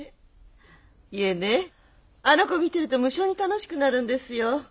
いえねあの子見てると無性に楽しくなるんですよ。